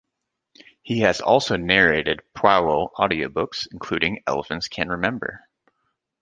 He has also narrated "Poirot" audiobooks, including "Elephants Can Remember".